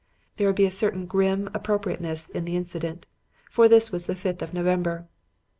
There would be a certain grim appropriateness in the incident. For this was the fifth of November.